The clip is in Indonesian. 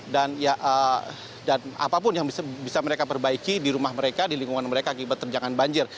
dan apapun yang bisa mereka perbaiki di rumah mereka di lingkungan mereka kibat terjangan banjir